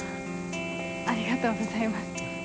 ありがとうございます。